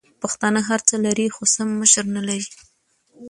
پښتانه هرڅه لري خو سم مشر نلري!